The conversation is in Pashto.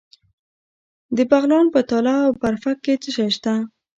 د بغلان په تاله او برفک کې څه شی شته؟